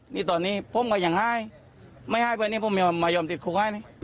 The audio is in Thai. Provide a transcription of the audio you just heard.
นี่ตอนนี้ผมก็ยังหายไม่หายไปนี่ผมไม่ยอมติดคุกให้นี่